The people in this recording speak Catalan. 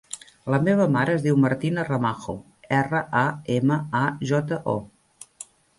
La meva mare es diu Martina Ramajo: erra, a, ema, a, jota, o.